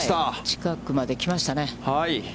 近くまで来ましたね。